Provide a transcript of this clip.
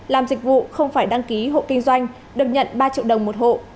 làm dịch vụ không phải đăng ký hộ kinh doanh được nhận ba triệu đồng một hộ